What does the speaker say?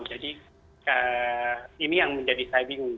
jadi ini yang menjadi saya bingung